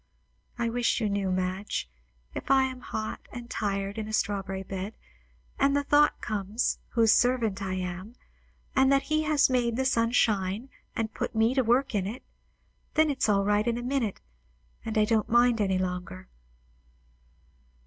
I wish you knew, Madge! If I am hot and tired in a strawberry bed, and the thought comes, whose servant I am, and that he has made the sun shine and put me to work in it, then it's all right in a minute, and I don't mind any longer."